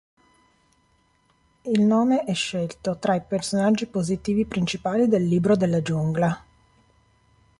Il nome è scelto tra i personaggi positivi principali del "Libro della Giungla".